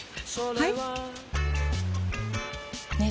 はい！